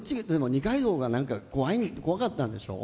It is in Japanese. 二階堂が怖かったんでしょう？